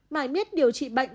mãi miết điều trị bệnh